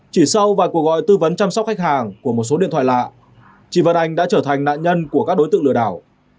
chỉ sau vài cuộc gọi tư vấn chăm sóc khách hàng của một số điện thoại lạ chị văn anh đã trở thành nạn nhân của các đối tượng lừa đảo